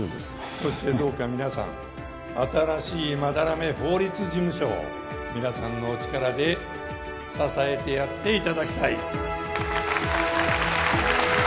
そしてどうか皆さん新しい斑目法律事務所を皆さんのお力で支えてやっていただきたい